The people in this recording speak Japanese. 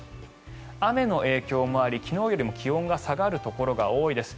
雨の影響もあり昨日よりも気温が下がるところが多いです。